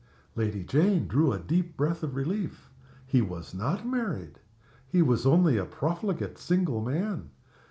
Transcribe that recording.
Lady Jane drew a deep breath of relief. He was not married! He was only a profligate single man.